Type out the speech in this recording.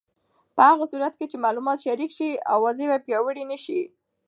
په هغه صورت کې چې معلومات شریک شي، اوازې به پیاوړې نه شي.